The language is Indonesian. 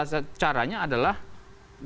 si mencuci lihk in yang diperutasikan